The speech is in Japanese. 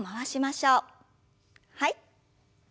はい。